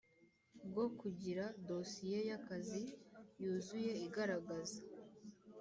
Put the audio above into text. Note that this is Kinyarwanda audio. bwo kugira dosiye y akazi yuzuye igaragaza